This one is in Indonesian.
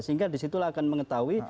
sehingga disitulah akan mengetahui